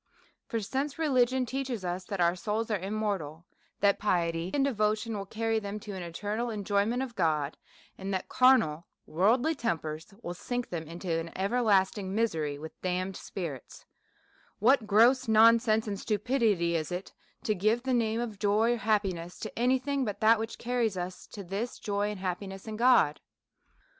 For, since religion teaches us that our souls are im mortal, that piety and devotion will carry them to an eternal enjoyment of God, and that carnal worldly tempers will sink them into an everlasting* misery with damned spirits, what gross nonsense and stupidity is it to give the name of joy or happiness to any thing but that which carries us to this joy and happiness in God?